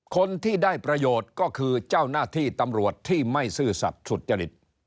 คนที่ได้ประโยชน์ก็คือเจ้าหน้าที่ตำรวจที่ไม่ซื่อสัตว์สุจริต